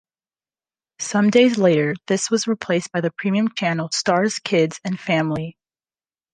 Some days later this was replaced by the premium channel Starz Kids and Family.